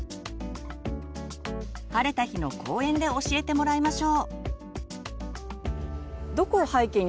晴れた日の公園で教えてもらいましょう。